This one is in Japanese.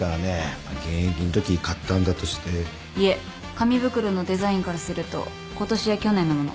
紙袋のデザインからすると今年や去年のもの。